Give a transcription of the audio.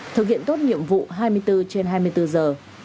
thực hiện tốt nhiệm vụ hai mươi bốn trên hai mươi bốn giờ